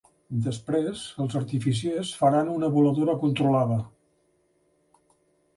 Després els artificiers faran una voladura controlada.